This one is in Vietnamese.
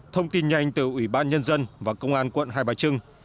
thông tin nhanh từ ủy ban nhân dân và công an quận hai bà trưng